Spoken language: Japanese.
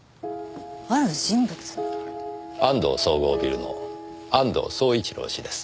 安藤総合ビルの安藤総一郎氏です。